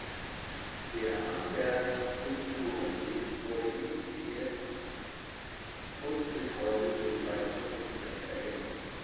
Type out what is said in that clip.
Der Amberger Skulpturenweg wurde initiiert und bis heute durch weitere Kunstwerke ergänzt.